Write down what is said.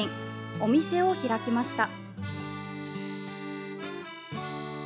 お店を開きました。